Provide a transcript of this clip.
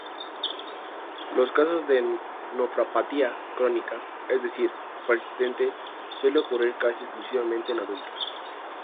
Los casos de nefropatía crónica, es decir persistente suele ocurrir casi exclusivamente en adultos.